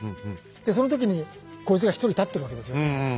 でその時にこいつが１人立ってるわけですよね。